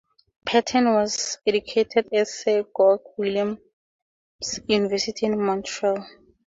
Patten was educated at Sir George Williams University in Montreal.